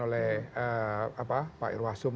oleh pak irwasum